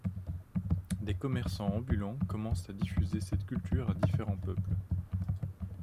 Des commerçants ambulants commencent à diffuser cette culture à différents peuples.